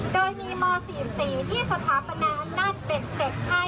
โดยมีม๔๔ที่สถาปนาอำนาจเบ็ดเสร็จให้